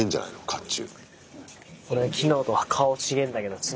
甲冑。